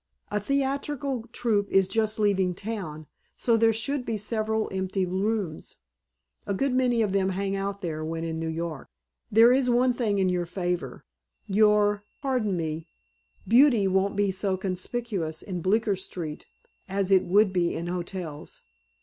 "A theatrical troupe is just leaving town so there should be several empty rooms. A good many of them hang out there when in New York. There is one thing in your favor. Your pardon me beauty won't be so conspicuous in Bleecker Street as it would be in hotels.